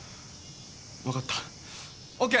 分かったＯＫ。